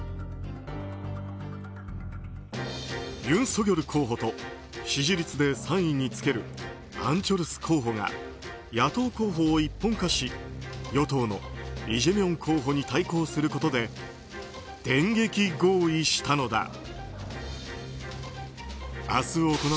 ユン・ソギョル候補と支持率で３位につけるアン・チョルス候補が野党候補を一本化し与党のイ・ジェミョン候補に対抗することで電撃合意したのだ。